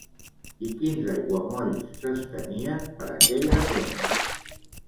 I quins aiguamolls s'estenien per aquella zona?